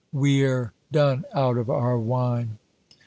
We're done out of our wine!"